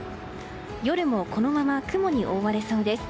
夜もこのまま雲に覆われそうです。